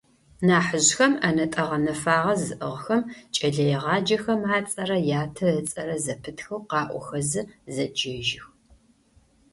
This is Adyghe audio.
Нахьыжъхэм, ӏэнэтӏэ гъэнэфагъэ зыӏыгъхэм, кӏэлэегъаджэхэм ацӏэрэ ятэ ыцӏэрэ зэпытхэу къаӏохэзэ зэджэжьых.